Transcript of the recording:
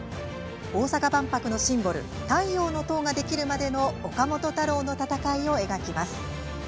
大阪万博のシンボル・太陽の塔ができるまでの岡本太郎の闘いを描きます。